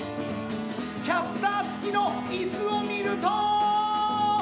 キャスターつきの椅子を見ると。